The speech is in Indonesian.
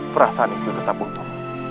perasaan itu tetap utuh